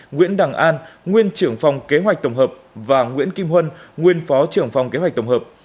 nguyễn đằng an nguyên trưởng phòng kế hoạch tổng hợp và nguyễn kim huân nguyên phó trưởng phòng kế hoạch tổng hợp